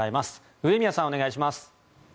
上宮さん、お願いします。